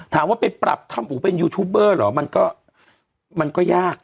ถามว่าไปปรับทำอู๋เป็นยูทูบเบอร์เหรอมันก็มันก็ยาก